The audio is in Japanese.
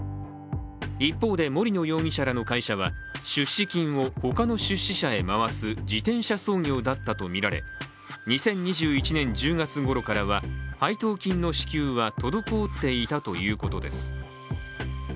一方で、森野容疑者らの会社は出資金をほかの出資者へ回す自転車操業だったとみられ２０２１年１０月ごろからは配当金の支給は滞っていたということです。